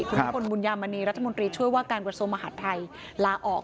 คุณนิพนธบุญยามณีรัฐมนตรีช่วยว่าการกระทรวงมหาดไทยลาออก